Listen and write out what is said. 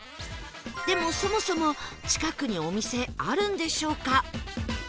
でもそもそも近くにお店あるんでしょうか？